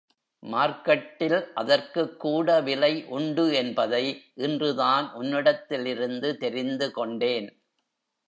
மார்க்கட்டில் அதற்குக்கூட விலை உண்டு என்பதை இன்றுதான் உன்னிடத்திலிருந்து தெரிந்துகொண்டேன்.